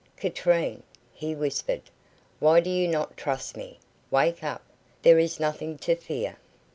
"Katrine," he whispered, "why do you not trust me? Wake up. There is nothing to fear."